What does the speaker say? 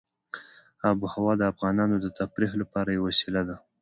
آب وهوا د افغانانو د تفریح لپاره یوه وسیله ده.